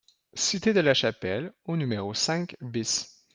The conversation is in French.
CITE DE LA CHAPELLE au numéro cinq BIS